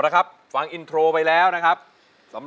เปลี่ยนเพลงเก่งของคุณและข้ามผิดได้๑คำ